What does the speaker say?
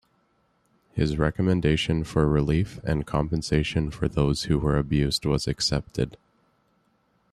His recommendation for relief and compensation for those who were abused was accepted.